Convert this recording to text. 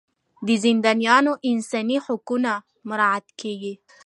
د زندانیانو انساني حقونه مراعات کیږي.